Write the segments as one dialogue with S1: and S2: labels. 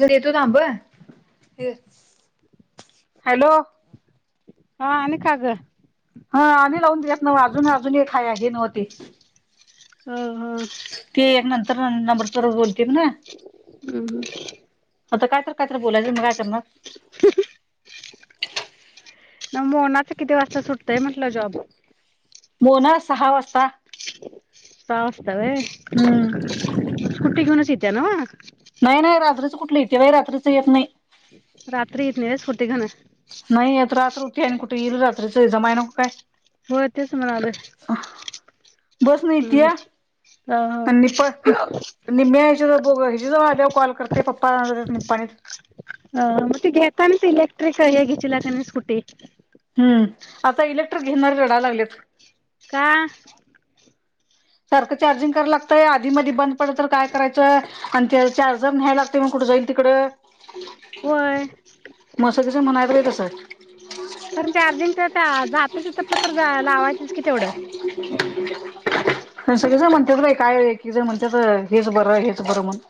S1: घरी येतो थांब ह हॅलो
S2: हा अणि का ग
S1: हा आणि लावून देत नव अजून अजून एक हाय हे नव्हती-
S2: ह
S1: ते एक नंतर नंबर परत बोलतेत ना आता कायतर कायतर बोलायचं म काय करणार
S2: मोनाच किती वाजता सुटतय म्हटलं जॉब?
S1: मोना सहा वाजता
S2: सहा वास्ता व्हय
S1: हम्म
S2: स्कुटी घेऊनच यित्या नव
S1: स्कुटी ती कुठलं ईत्या व्हय रात्रीच येत नाही.
S2: रात्री इत नाही व्हय स्कुटी घिवून
S1: नाही आता रात्र होतीया कुठे येईल रात्रीच जमाय नको काय
S2: होय तेच म्हणालोय
S1: बस न इतिया
S2: हम्म अ हम
S1: निम्म्या याच्याव बघ ह्याच्या जवळ दे कॉल करते पप्पा आले निम्पाणीत
S2: ह म घेतानाच इलेक्ट्रिक हे घेचीला की नाही स्कूटी
S1: हम्म आता इलेक्ट्रिक घेणारे रडायला लागलेत.
S2: हा
S1: सारखं चार्जिंग करा लागतय आधी मधी बंद पडलं तर काय करायचंय आणि ते चार्जर न्ह्याय लागते मनं कुठे जाईल तिकड
S2: होय
S1: [unintelligible]
S2: पण चार्जिंग आता जातय तिथ पथर ज.. लावायचच कि तेवढं
S1: [inaudible] खरं सगळे जण म्हणतात काय की एकेकजण म्हणतात हेच बरं हेच बरं म्हणून.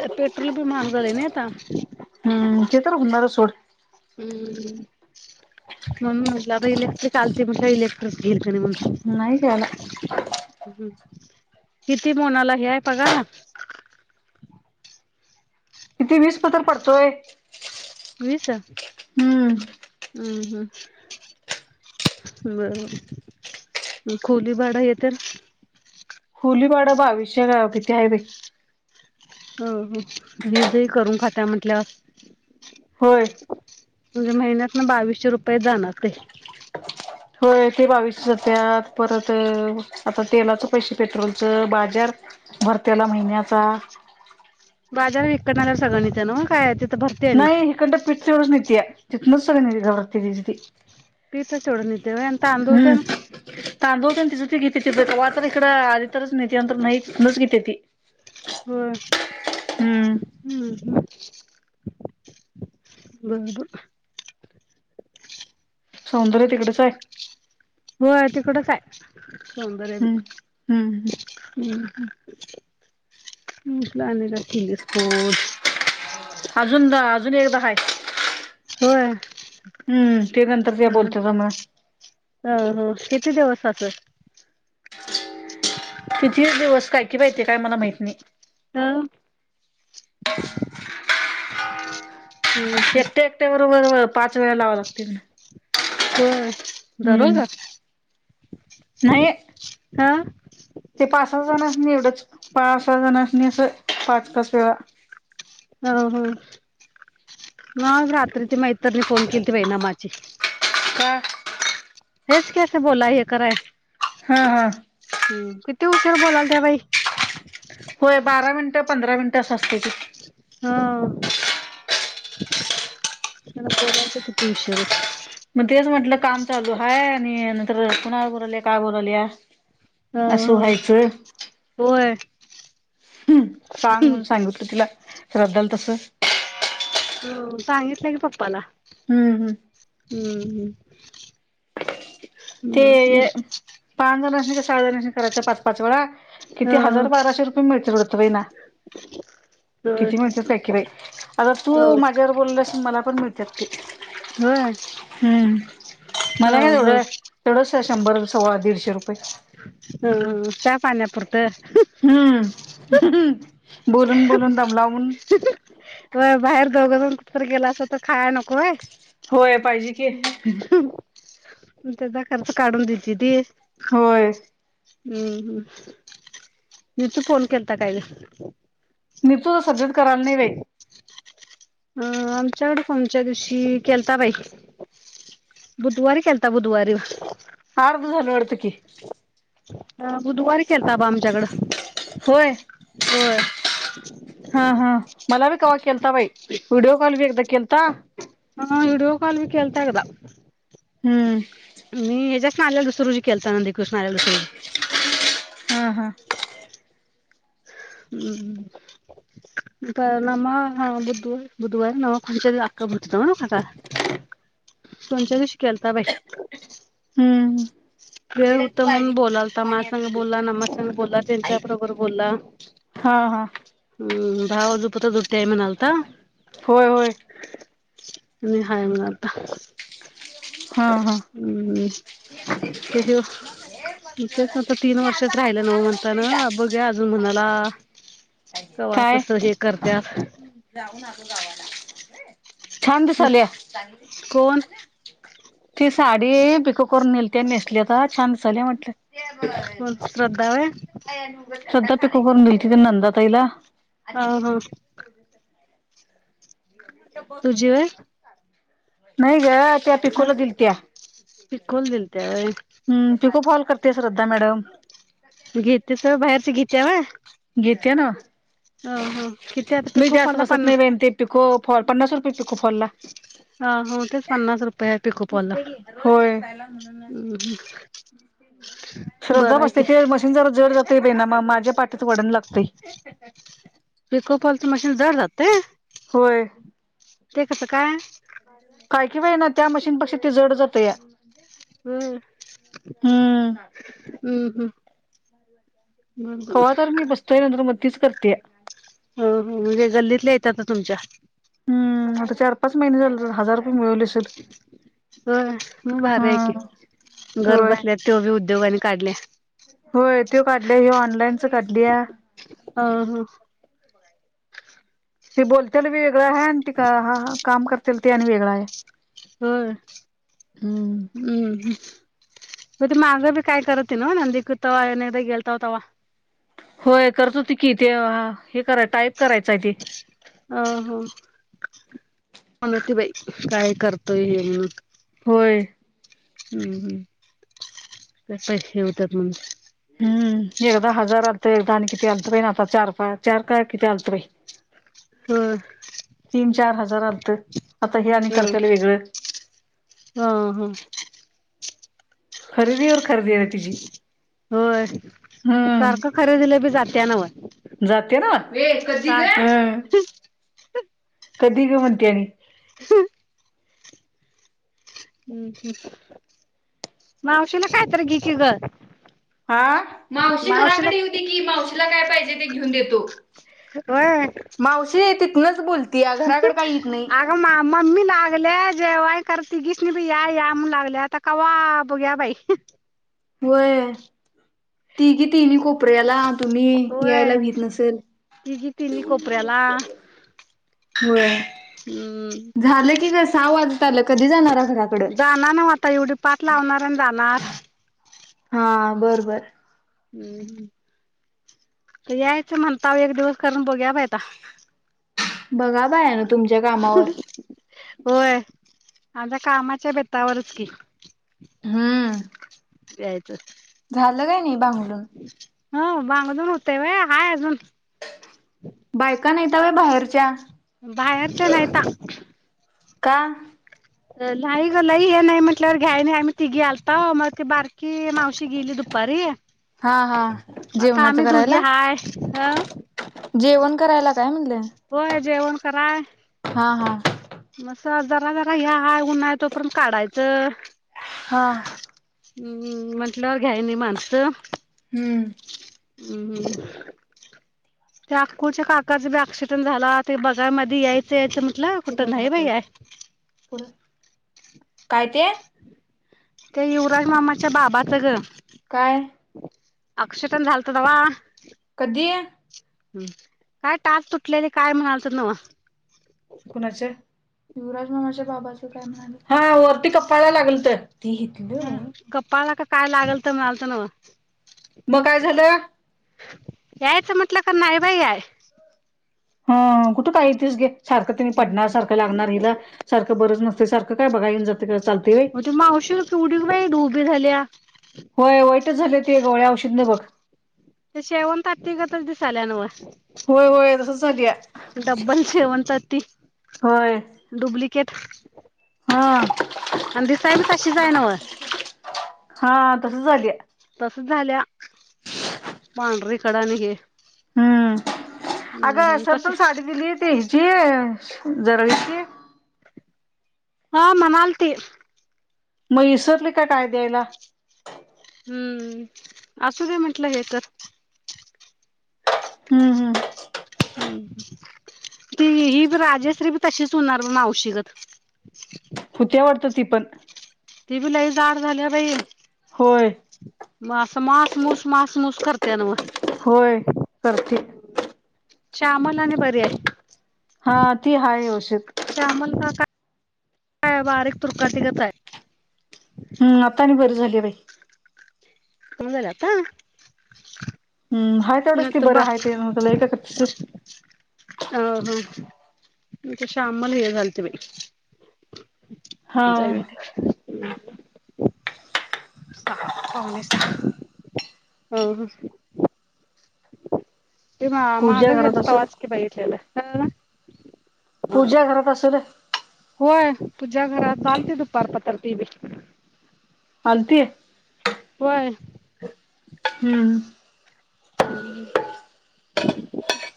S2: पेट्रोलची बी लई महाग झाले नाही आता
S1: हम्म ते तर होुणार सोड
S2: म्हणून म्हटलं आता इलेक्ट्रिक आलती म इलेक्ट्रिक घेईल
S1: नाही घ्यायला
S2: [unintelligible] किती मोनाला हेय पगार
S1: किती वीस पत्र पडतोय
S2: वीस हम्
S1: हम्म
S2: हम्म बरोबर खोली भाड हे तर
S1: खोलीभाड बाविशे किती आहे बाई
S2: अ वीजही करून खात्या म्हंटलं
S1: होय
S2: म्हणजे महिन्यात ना बावीसशे रुपये जाणार
S1: होय ते बावीशे जात्यात परत आता तेलाचं पैसे, पेट्रोलचं, बाजार भरत्याला महिन्याचा?
S2: बाजार विकणा्या सगळनीच नव्ह काय तिथं भरते आणि
S1: नाही हिकडंन पीठ एवढच नेतिया तिथनच सगळं घबरते तिची ती
S2: गीता चोडून देेव एंत अंदु उटन
S1: हम्म तांदूळ पण घेते त वा तर इकं आध तरच नाही तंतर नाही तच घेते ती
S2: हा हम्म बब
S1: सौंदर्य तिकडेच आहे
S2: हो तिकडं काय सौंदर्य
S1: हम्म हम्म
S2: बी हम् मला आणिला हिलीसपोट
S1: अजून अजून एकदा हाय
S2: हो
S1: हम्म ते नंतर ते
S2: हम्
S1: बोलते मला
S2: अ हो किती दिवस
S1: किती दिवस काय कि माहिती काय मला माहत नाही
S2: हम हम्म
S1: एकट्या एकट्या बरोबर पाच वेळा लावा लागते
S2: हो बरोज
S1: हम्म नाही
S2: हा
S1: ते पास हात जण निवडच पा सहा जणनी असं पाच तच वेळा
S2: म रात्री त म इतरनी फोन केली ती बैनामाची
S1: का
S2: हेच कस बोला हे कराय
S1: हा हा
S2: हम् किती उशर बोलाल त्या बाई
S1: त्यास्तची
S2: ह ह ना बदा ते कुती उषर
S1: मग तेच म्हटलं काम चालू आहे आणि नंतर कुणाला बोलाल काय बोलाल या
S2: हं हं होय
S1: हम्म सांग म्हणून सांगतलं तिला श्रद्धाला तस
S2: हम्म सांगितलं की पप्पाला हम्म हम् [inaudible]
S1: ते पाच जणांशी का सहा जणांशी करायच आहे पाच पाच वेळा किती हजार बाराशे रुपये मिळते [unintelligible]
S2: होय
S1: किती मिळत्यात काय की बाई आता तू माझ्यावर बोलला अस मला पण मिळ- त्यात की
S2: होय
S1: हम्म
S2: हा हा
S1: तेथढस शंभर सव्वा दीडशे रुपये
S2: हम् पानपरत
S1: हम्म हम्
S2: व बाहेर दऊघस तर गेला अस तर खाय नको आहे
S1: होय पाहिजे की
S2: त्याचा खच काढून दयची ती
S1: होय
S2: हम्म हम्म नि तू फोन केलता कायला
S1: मी तु तर सध्याच करायला नाही व
S2: अं आमच्याकडे कोमच्या दिवशी केलताबाई बुधवारी केनता बुधवारी
S1: हडद झाल वाडतकीी
S2: अ बुधवारी केळता आमच्याकड
S1: होय
S2: होय
S1: हा हा मला बी कावा केलता बाई व्हिडिओ कॉल बी एकदा केलता
S2: हा वडयओ काल भी खळतयद
S1: हम्म.
S2: मी हच्यात नाल्याला दुसरुजी खेळता नंदी कृष्णा आल्या दुसरुजी.
S1: हा हा.
S2: हम्म ह [unintelligible] बुधवार बुधवार न कोच आ भुटत ना काका [unintelligible] खच्या दिशी केलता बाई
S1: हम्म.
S2: वेळ होता, म्हणून बोलाल मा संग बोला न् संग बोला त्यांच्या बरोबर बोलला.
S1: हा हा
S2: हम दहा वाजेपर्यंत ड्युटी हाय म्हणालता.
S1: होय होय
S2: आणि हाय म्हणालता.
S1: हा हा.
S2: हम्म ते ह्यो
S1: [unintelligible]
S2: तेच आता तीन वर्षात राहिलं नव म्हणताना बघ्या अजून म्हणाला. कवा
S1: काय
S2: तस हे करत्यात.
S1: छान दिसल्या
S2: कोण
S1: ती साडी पिको! करून नेलते नेसलेता छान दिसल्या म्हटल.
S2: म श्रद्धा होय.
S1: स्वतः पिको करून दिलती की नंदाताईला.
S2: हा हा तुझी व्हय
S1: नाही ग. त्या
S2: हा
S1: पिकाला दिल्या
S2: पिकोल दिलत्या व्हय
S1: पिको फॉल करते श्रद्धा. मॅडम
S2: घेततीेस होय बाहेरच घेत्यावय.
S1: घेत्या नाव.
S2: किती आता
S1: मी जास्त
S2: पिकोफॉलला
S1: बसत
S2: पन्ना
S1: नाही बन ते पिको फॉ पन्नास रुपये पिको फॉलला.
S2: हा हा तेच पन्नास रुपये. आहे पिकोफॉलला
S1: दिसते क होला म्हणून
S2: हम्म
S1: [unintelligible] श्रद्धा
S2: बरं आहे
S1: बसते
S2: की
S1: ते मशीन ज जड जात ना मग माझ्या. पाटीत वडन लागतेय.
S2: पिकोफॉलचं मशीन जड जातंय
S1: होय.
S2: ते कसां काय.
S1: काय किवाई ना त्या मशीनपेक्षा ते जड जात या.
S2: होय
S1: हम्म.
S2: हम्म हम्म बरं बरं
S1: कवा तर मी बसतोय नंतर मग तच करत्या.
S2: हो हो म्हणजे गल्लीतल्या येतात तुमच्या.
S1: हम् आता चार पाच महिने झाल हजार. मिळवले असेल
S2: होय म भार
S1: हा
S2: हाय की. घर
S1: होय
S2: बसल्या ते बी उद्योगा आणि काढल्या.
S1: होय ते काढल्या ह्यो ऑनलाईनच काढल्या.
S2: आ हा.
S1: ते बोलत्याल बी वेगळं आहे, आणि त का ह काम करत्यात ते आणि वेगळा आहे.
S2: होय हम्म. मग त मागं बी काय करत हुती नंदीकृतवा अनेकदा गेलोते तवा.
S1: होय करतो त कि ते हे करा टाईप करायचं आहे ते.
S2: अ हो म्हणती बाई काय करतोय हे म्हणून.
S1: होय.
S2: हम्म हम् कसाय हे होत्यात म्हणून.
S1: हम्म. एकदा हजार आलत एकदा आणि किती आलत आता चार पा चार काय किती आल बाई.
S2: होय
S1: तीन चार हजार आलत आता हे आणि करताल वेगळं.
S2: हा हा.
S1: खरेदी वर खरेदी आहे तिझी.
S2: होय सारखं खरेदीलं बी जाते नव
S1: जाते ना ये कधी रे
S2: ह
S1: कधी ग म्हणत्याणी
S2: हम् ह् मावशी ना कायतरी घी की ग
S1: हा मावशीला घराकडे येऊ दे कि मावशीला काय पाहिजे ते घेऊन देतो
S2: होय
S1: मावशी तिथूनच बोलते
S2: अगं मा मम्मी लागले जेव्हाय करते तिघीस या या म्हण लागल्या आता कवा बघ्या बाई
S1: होय ती घे तिने कोपऱ्यात ला तुम्ही
S2: होय
S1: यायला भत नसेल
S2: तिघी तिन्ही
S1: होय तिघी
S2: कोपऱ्याला
S1: तिनी
S2: हम्म
S1: कोपऱ्यात झालं की ग सहा वाजत आल्यात कधी जाणारा घराकड
S2: जाणार ना आता एवढी पाठ लावणार आणि जाणार
S1: हा बरोबर
S2: हम्म हम् तर यायचं म्हणता एक दिवस करून बघूया आता
S1: बघा बाया ना तुमच्या कामावर
S2: होय माझ कामाच्या बेतावरच कि
S1: हम्म
S2: प्यायचंच
S1: [unintelligible]
S2: हो बांगडून होतेय होय हाय अजून अजून
S1: बायका नाहीता होय बाहेरच्या
S2: बाहेरच्या नाहीता
S1: का
S2: नाही गलाई हे नाही म्हटल्यावर घ्याय नाही आम्ही तिघी आलता मग ती बारकी मावशी गेली दुपारी
S1: हा हा
S2: आता
S1: जेवणाच
S2: आम्ही दुघी
S1: करायला
S2: हाय ह
S1: जेवण करायला काय म्हणले
S2: हो जेवण कराय
S1: हां हां
S2: मस जरा जरा ह्या उन्हा तोपर्यंत काढायचं
S1: हा
S2: हम्म म्हंटलंवर घ्यायनी माणसं
S1: हमं
S2: हम् हम् त्या अकुच्या काकाचा बी अक्सिडेंट झाला ते बघाय मध्ये यायचे‌‌... कुला कुठं नाही बाई आहे.
S1: काय ते,?
S2: ते युवराज मामाच्या बाबाचं गं.
S1: काय
S2: अक्षरटण झालतवा!
S1: कधी?
S2: हम् काय तास तुटलेले काय म्हणाल तर नवा?
S1: कुणाचे युवराज मामाच्या बाबाच काय म्हणाले? कपायला लागल तर त घेतल!
S2: कपाळा का काय लागल तर म्हणालत न?
S1: मग काय झालं?
S2: यायचं म्हटलं का नाहीय बाई याय?
S1: हा कुठं काही तच घे सारखं तिने पडणार सारखं लागणार हिला सारखं बरंच नस. सारं काय बघान जात?
S2: होग ते मावशी किवटी बाई ड उोभे झाल्या.
S1: होय वाईटच झाले ते गोळ्या, औषध न बघ.
S2: ते शेवण तटत ग, तर दिसाल्यान.
S1: होय होय तसच झालीया
S2: ड्बल शेवंत, त
S1: होय
S2: डुब्लिक. किथ!
S1: हा...
S2: आंदी साहेब, कशीच आहे ना?
S1: हा तसच झालीया
S2: तस झाल्या पांढरीकडने हे.
S1: हम्म अगं
S2: हम्म
S1: सर
S2: तसे
S1: तरण साडी दिलीय त ह जी.... जर क!
S2: हा मनालती.
S1: मग इसरली का काय द्यायला?
S2: हम्म असू का म्हंटलं हे तर.
S1: हम्म, हम्म.
S2: हम् ती ही राजेश्री बी तशीच होणार म मावशिकत.
S1: होती आवडत ती पण.
S2: ती बी लई जााड झाली बाई....
S1: होय!
S2: मास मास, मूस, मास, मूस, करते ना. म.
S1: होय सखी.
S2: शमल आणि पर्या आहे.
S1: हा, ती हाय होश.
S2: श्यामण का काय? बारीक तुरकाटिकच आहे.
S1: हम्म, आता आणि बरी झाली बाई.
S2: तंगलाता!
S1: हम्म हाय
S2: न
S1: तेवढंच ती
S2: तरर बा..
S1: बरं हाय ते लय काय करतीस
S2: हो. कश आम्हाला हे झालते बा?
S1: हा
S2: जा! सहा पावणे सहा ह. ते म माग
S1: पूजा
S2: घर
S1: घरात
S2: पा
S1: असेल
S2: वाचकीे बघितलेलं?
S1: पूजा घरात असू र.
S2: होय, पूजा घरात चालते दुपारपत्रती बी.
S1: मलते आहे!
S2: होय!
S1: हम्म.
S2: हम्म,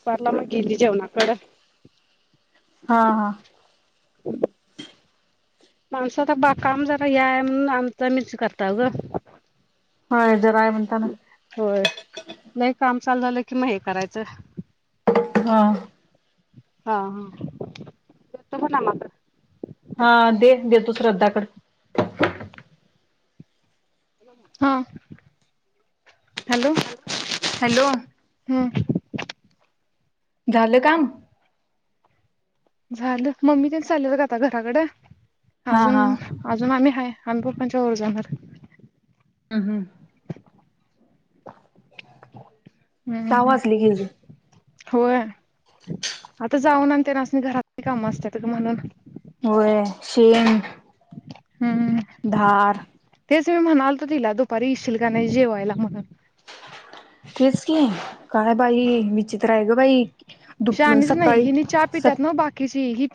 S2: पारला मग गेली जेवणाकडं.
S1: हा, हा.
S2: ह माणसं आता काम जरा हे आहे म्हणून आमच आम्हीच करताव ग.
S1: होय जरा आहे म्हणताना
S2: होय. नाही काम चालू झालं कि मग हे करायचं.
S1: हा
S2: हा ह देतो बग नमाकड.
S1: हा दे. देतो श्रद्धाकड.
S2: हा हॅलो,
S1: हॅलो,
S2: हम्म.
S1: झालं काम.
S2: झालं. मम्मीतेन चाललेत ग आता घराकडे.
S1: हा हा
S2: अजून अजून आम्ही आम्ही पप्पांच्याबरोबर जाणार.
S1: हम्म हम्म [inaudible]
S2: हम्म
S1: सहा वाजले की
S2: हम्
S1: ग.
S2: होय. आता जाऊन आणि त्यांनासनी घरातली काम असत्यात ग म्हणून.
S1: होय शेण...
S2: हम्म..
S1: धार....
S2: तेच मी म्हणालतो, तिला दुपारी येशील का नाही जेवायला म्हणून..
S1: तेच की, काय बाई, विचित्र आहे ग बाई.... दुप
S2: शहाणीच नाही.
S1: सकाळी
S2: ह्यानी चहा पितात
S1: सक
S2: ना बाकीची हि..